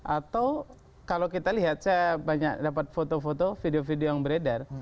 atau kalau kita lihat saya banyak dapat foto foto video video yang beredar